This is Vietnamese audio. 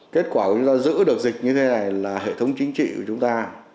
kết quả chúng ta giữ được dịch như thế này là hệ thống chính trị của chúng ta